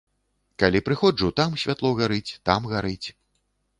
Калі прыходжу, там святло гарыць, там гарыць.